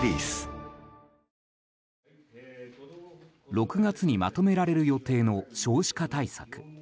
６月にまとめられる予定の少子化対策。